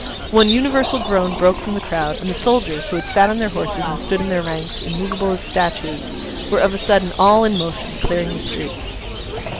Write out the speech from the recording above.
One universal groan broke from the crowd; and the soldiers, who had sat on their horses and stood in their ranks immovable as statues, were of a sudden all in motion, clearing the streets.